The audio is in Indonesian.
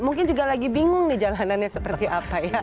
mungkin juga lagi bingung nih jalanannya seperti apa ya